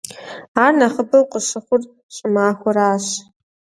Ар нэхъыбэу къыщыхъур щӀымахуэращ.